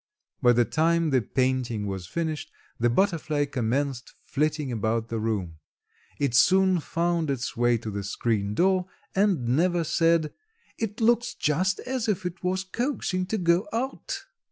By the time the painting was finished the butterfly commenced flitting about the room. It soon found its way to the screen door and Neva said, "It looks just as if it was coaxing to go out."